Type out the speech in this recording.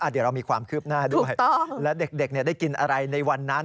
เดี๋ยวเรามีความคืบหน้าด้วยและเด็กได้กินอะไรในวันนั้น